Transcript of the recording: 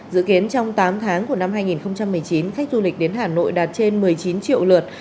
dự kiến trong tám tháng của năm hai nghìn một mươi chín khách du lịch đến hà nội đạt trên một mươi chín triệu lượt